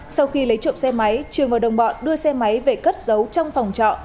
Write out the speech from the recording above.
sau khi lấy trộm xe máy trường và đồng bọn đưa xe máy về cất giấu trong phòng trọ